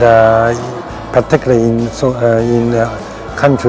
dan terutama di negara seperti indonesia